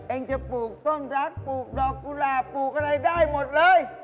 เองจะปลูกต้นรักปลูกดอกกุหลาบปลูกอะไรได้หมดเลย